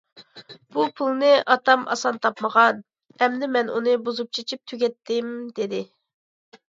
بۇ پۇلنى ئاتام ئاسان تاپمىغان، ئەمدى مەن ئۇنى بۇزۇپ- چېچىپ تۈگەتتىم، دېدى.